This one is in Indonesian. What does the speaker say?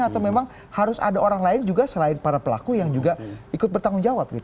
atau memang harus ada orang lain juga selain para pelaku yang juga ikut bertanggung jawab